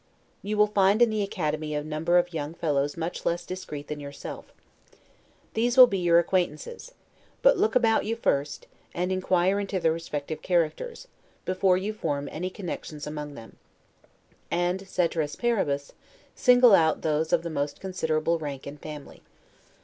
You will find in the Academy a number of young fellows much less discreet than yourself. These will all be your acquaintances; but look about you first, and inquire into their respective characters, before you form any connections among them; and, 'caeteris paribus', single out those of the most considerable rank and family.